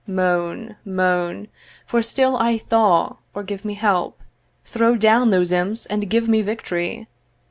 'Moan, moan, for still I thaw or give me help; 'Throw down those imps, and give me victory.